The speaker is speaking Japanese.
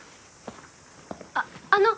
あっあの。